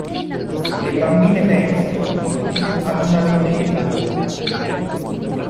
Le bambine pensano, quindi, ad una vendetta.